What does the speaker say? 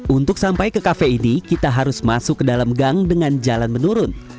untuk sampai ke kafe ini kita harus masuk ke dalam gang dengan jalan menurun